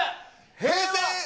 平成。